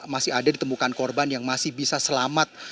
masih ada ditemukan korban yang masih bisa selamat